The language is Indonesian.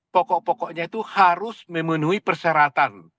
pokok pokoknya itu harus memenuhi persyaratan